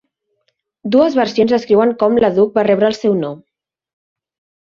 Dues versions descriuen com Leduc va rebre el seu nom.